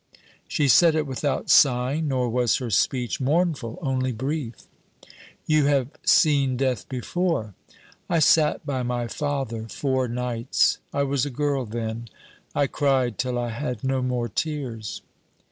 She said it without sighing: nor was her speech mournful, only brief. 'You have seen death before?' 'I sat by my father four nights. I was a girl then. I cried till I had no more tears.'